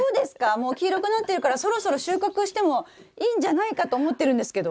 もう黄色くなってるからそろそろ収穫してもいいんじゃないかと思ってるんですけど。